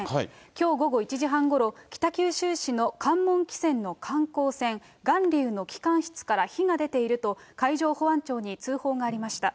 きょう午後１時半ごろ、北九州市の関門汽船の観光船、がんりゅうの機関室から火が出ていると、海上保安庁に通報がありました。